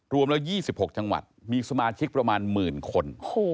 รวมแล้ว๒๖จังหวัดมีสมาชิกประมาณหมื่นคน